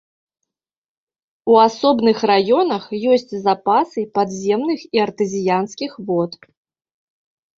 У асобных раёнах ёсць запасы падземных і артэзіянскіх вод.